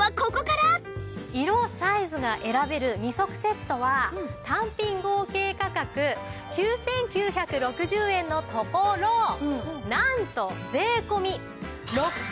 色サイズが選べる２足セットは単品合計価格９９６０円のところなんと税込６９８０円です。